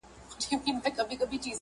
په دې دریو ورځو کي